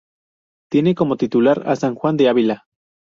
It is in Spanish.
Tiene como titular a San Juan de Ávila.